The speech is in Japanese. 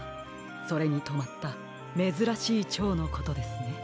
それにとまっためずらしいチョウのことですね。